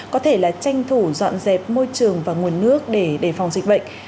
có thể là tranh thủ dọn dẹp môi trường và nguồn nước để đề phòng dịch bệnh